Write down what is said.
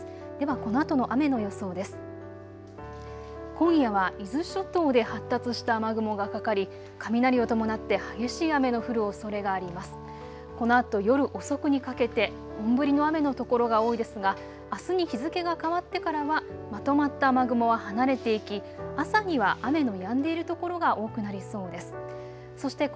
このあと夜遅くにかけて本降りの雨の所が多いですがあすに日付が変わってからはまとまった雨雲は離れていき朝には雨のやんでいる所が多くなりそうです。